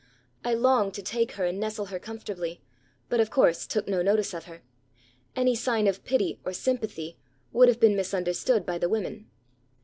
I longed to take her and nestle her comfortably; but, of course, took no notice of her. Any sign of pity or sympathy would have been misunderstood by the women.